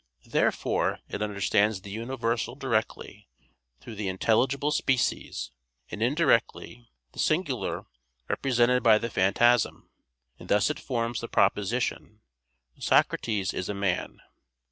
Therefore it understands the universal directly through the intelligible species, and indirectly the singular represented by the phantasm. And thus it forms the proposition "Socrates is a man."